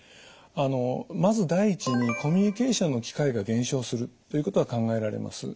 まず第一にコミュニケーションの機会が減少するということが考えられます。